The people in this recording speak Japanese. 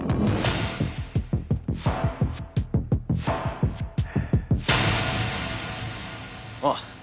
ああ。